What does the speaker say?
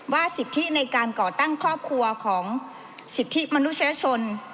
สิทธิในการก่อตั้งครอบครัวของสิทธิมนุษยชน